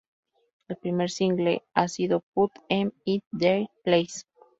El primer single ha sido "Put 'Em in Their Place".